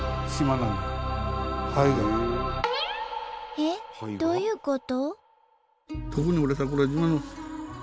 えっ？どういうこと？